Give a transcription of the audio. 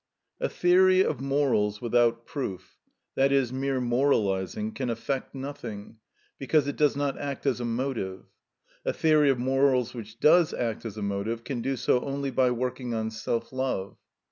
A theory of morals without proof, that is, mere moralising, can effect nothing, because it does not act as a motive. A theory of morals which does act as a motive can do so only by working on self love.